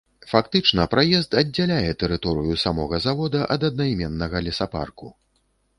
Фактычна праезд аддзяляе тэрыторыю самога завода ад аднайменнага лесапарку.